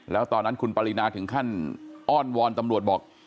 แล้วตอนนั้นคุณปรินาถึงขั้นอ้อนวอนตำรวจบอก